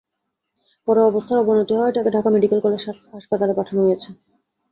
পরে অবস্থারর অবনতি হওয়ায় তাঁকে ঢাকা মেডিকেল কলেজ হাসপাতালে পাঠানো হয়েছে।